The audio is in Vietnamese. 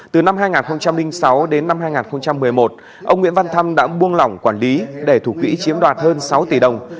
từ năm hai nghìn sáu đến năm hai nghìn một mươi một ông nguyễn văn thăm đã buông lỏng quản lý để thủ quỹ chiếm đoạt hơn sáu tỷ đồng